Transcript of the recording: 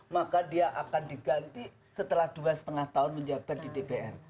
maka dia akan diganti setelah dua lima tahun menjabat di dpr